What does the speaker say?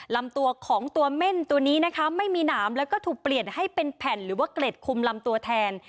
ลำตัวของตัวเม่นตัวนี้นะคะไม่มีหนามแล้วก็ถูกเปลี่ยนให้เป็นแผ่นหรือว่าเกล็ดคุมลำตัวแทน